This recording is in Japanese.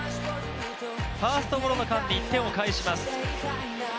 ファーストゴロの間に１点を返します。